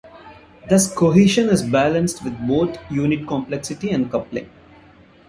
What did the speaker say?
Thus cohesion is balanced with both unit complexity and coupling.